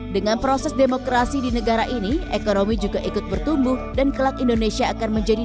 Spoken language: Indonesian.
dengan proses demokrasi di negara ini ekonomi juga ikut bertumbuh dan kelak indonesia akan menjadi